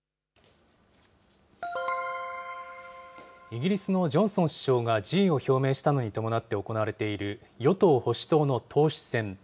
イギリスのジョンソン首相が辞意を表明したのに伴って行われている与党・保守党の党首選。